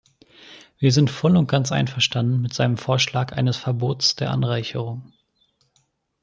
Wir sind voll und ganz einverstanden mit seinem Vorschlag eines Verbots der Anreicherung.